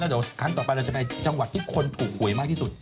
เดี๋ยวครั้งต่อไปเราจะไปจังหวัดที่คนถูกหวยมากที่สุด